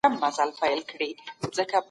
په ښار کي ژوند کول ډېرې اسانتياوې لري.